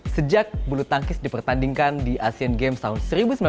sejak bulu tangkis dipertandingkan di asean games tahun seribu sembilan ratus sembilan puluh